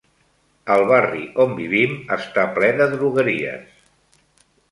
El barri on vivim està ple de drogueries.